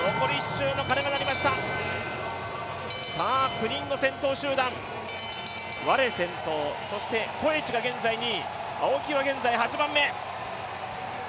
９人の先頭集団、ワレ先頭そしてコエチが現在２位、青木が現在８番目。